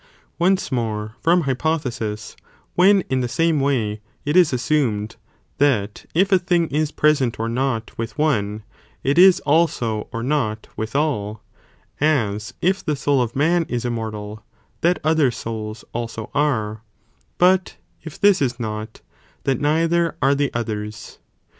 Once more, from hypothesis,t when in rotheis, ἘΣΤῚ the same way it is assumed, that if a thing is pre sent or not, with one, it is also or not, with all, as if the soul of man is immortal, that other (souls) also are, but if this is not, that neither are the others.